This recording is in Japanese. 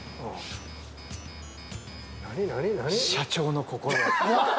『社長の心得』。